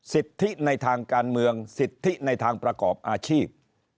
สิทธิในทางการเมืองสิทธิในทางประกอบอาชีพ